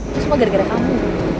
itu semua gara gara kamu